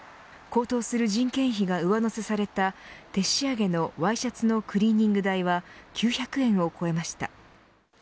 高騰する人件費が上乗せされた手仕上げのワイシャツのクリーニング代は９００円を超えました。